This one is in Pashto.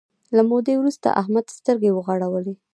له مودې وروسته احمد سترګې وغړولې.